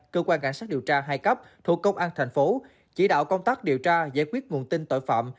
cơ quan cảnh sát điều tra hai cấp thuộc công an thành phố chỉ đạo công tác điều tra giải quyết nguồn tin tội phạm